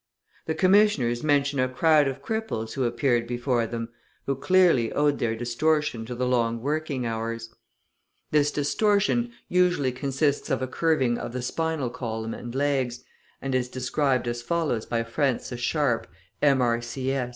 The Commissioners mention a crowd of cripples who appeared before them, who clearly owed their distortion to the long working hours. This distortion usually consists of a curving of the spinal column and legs, and is described as follows by Francis Sharp, M.R.C.S.